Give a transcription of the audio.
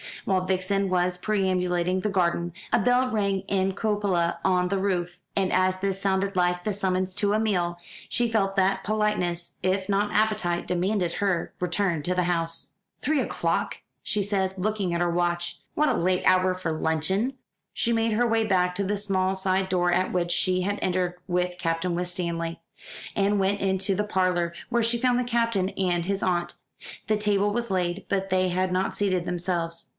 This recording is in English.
While Vixen was perambulating the garden, a bell rang in a cupola on the roof; and as this sounded like the summons to a meal, she felt that politeness, if not appetite, demanded her return to the house. "Three o'clock," she said, looking at her watch. "What a late hour for luncheon!" She made her way back to the small side door at which she had entered with Captain Winstanley, and went into the parlour, where she found the Captain and his aunt. The table was laid, but they had not seated themselves.